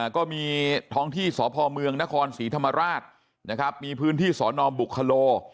ก็มีท้องที่สพเมืองนศรีธรรมราชมีพื้นที่สนบุคคโล